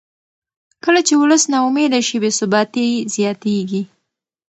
کله چې ولس نا امیده شي بې ثباتي زیاتېږي